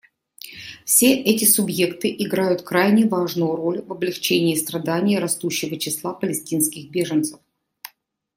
Все эти субъекты играют крайне важную роль в облегчении страданий растущего числа палестинских беженцев.